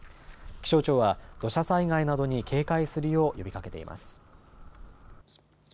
気象庁は土砂災害などに警戒するよう呼びかけています。